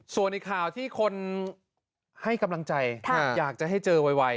ส่วนอีกข่าวที่คนให้กำลังใจอยากจะให้เจอไว